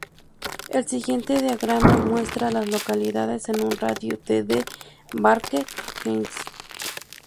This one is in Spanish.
El siguiente diagrama muestra a las localidades en un radio de de Barker Heights.